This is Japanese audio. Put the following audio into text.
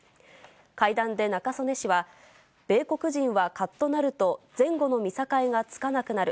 会談で中曽根氏は、米国人は、かっとなると前後の見境がつかなくなる。